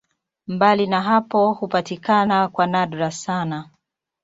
Mbali na hapo hupatikana kwa nadra sana.